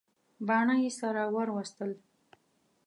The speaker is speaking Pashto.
باڼه یې سره ور وستل.